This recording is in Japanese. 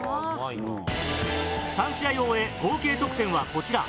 ３試合を終え合計得点はこちら。